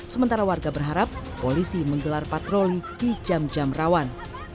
sementara warga berharap polisi menggelar patroli di jam jam rawan